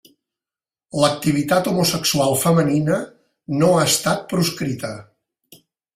L'activitat homosexual femenina no ha estat proscrita.